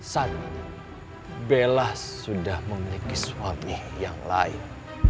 satu bella sudah memiliki suami yang lain